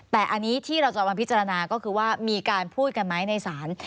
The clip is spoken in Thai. แต่อันนี้ที่เราจะมาพิจารณาก็คือว่ามีการพูดกันไหมในศาล